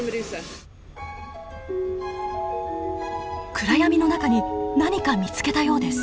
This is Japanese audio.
暗闇の中に何か見つけたようです。